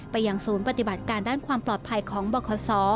ยังศูนย์ปฏิบัติการด้านความปลอดภัยของบคศ